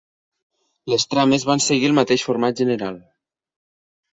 Les trames van seguir el mateix format general.